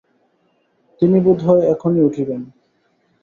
তিনি বোধ হয় এখনই উঠিবেন।